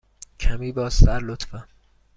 کمی بازتر، لطفاً.